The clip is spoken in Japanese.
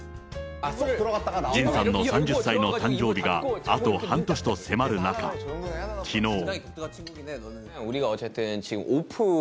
ジンさんの３０歳の誕生日があと半年と迫る中、きのう。